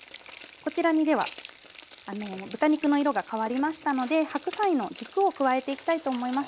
こちらにでは豚肉の色が変わりましたので白菜の軸を加えていきたいと思います。